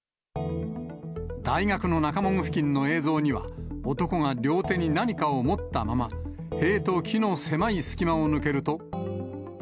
大学の中門付近の映像には、男が両手に何かを持ったまま、塀と木の狭い隙間を抜けると。